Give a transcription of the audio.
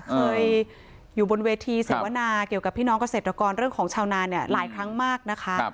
เคยอยู่บนเวทีเสวนาเกี่ยวกับพี่น้องเกษตรกรเรื่องของชาวนาเนี่ยหลายครั้งมากนะคะ